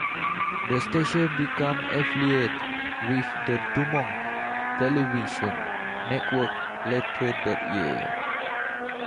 The station became affiliated with the DuMont Television Network later that year.